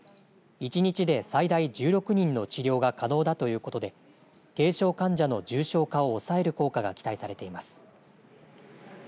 １日で最大１６人の治療が可能だということで軽症患者の重症化を抑える効果が期待されています。